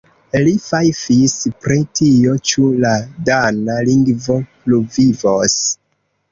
Li fajfis pri tio ĉu la dana lingvo pluvivos.